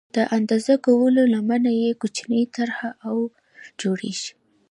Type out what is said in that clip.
د اندازه کولو لمنه یې کوچنۍ طرحه او جوړېږي.